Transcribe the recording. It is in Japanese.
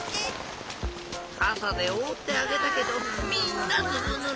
かさでおおってあげたけどみんなずぶぬれ。